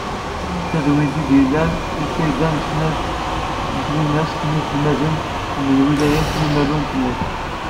Tadwilt i d-yellan, i lfayda n snat twinas n yiselmaden, n lwilayat n umalu n tmurt.